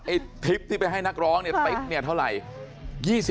ไอ้ทริปที่ไปให้นักร้องเนี่ยติ๊บเท่าไร๒๐บาท